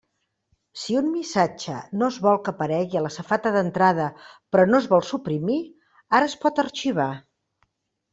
Si un missatge no es vol que aparegui a la safata d'entrada però no es vol suprimir, ara es pot arxivar.